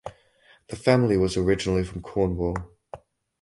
The family was originally from Cornwall.